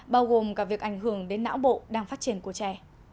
bao gồm cả việc ảnh hưởng đến não bộ đang phát triển của trẻ